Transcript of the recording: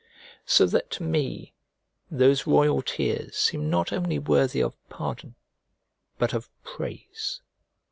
so that to me those royal tears seem not only worthy of pardon but of praise.